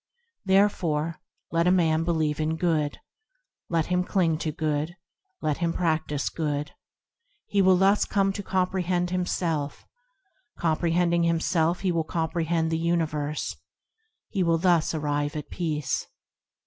Therefore, let a man believe in Good ; Let him cling to Good; Let him practise Good; He will thus come to comprehend himself; Comprehending himself he will comprehend the universe; He will thus arrive at peace.